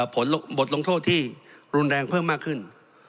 บทลงโทษที่รุนแรงเพิ่มมากขึ้น